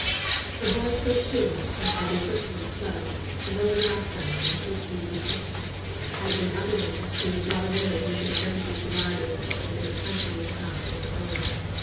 Her horse was sure, if heavy footed and slow, and though a draught animal, was easy paced; had it been otherwise, she was not a woman who could have ventured to ride over such a bit of country with a half dead arm.